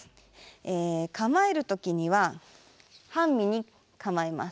え構える時には半身に構えます。